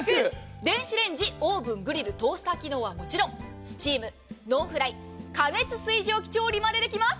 電子レンジ、オーブン、グリルトースター機能はもちろんスチーム、ノンフライ過熱水蒸気調理までできます。